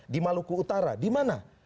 di maluku utara di mana